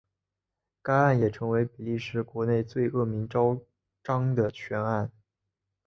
该案也成为比利时国内最恶名昭彰的悬案。